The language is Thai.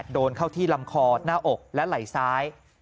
โดนเข้าที่ลำคอหน้าอกและไหล่ซ้าย